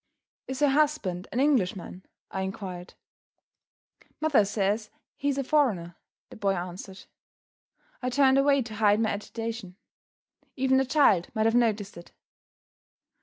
"Is her husband an Englishman?" I inquired. "Mother says he's a foreigner," the boy answered. I turned away to hide my agitation. Even the child might have noticed it!